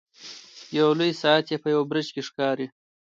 یو لوی ساعت یې په یوه برج کې ښکاري.